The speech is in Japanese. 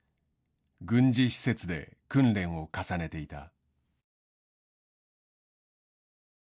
軍事施設で訓練を重ねていた。